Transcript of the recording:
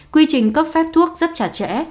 quy trình cấp phép thuốc rất chả trẻ